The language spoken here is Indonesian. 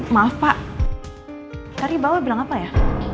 maaf pak tadi bapak bilang apa ya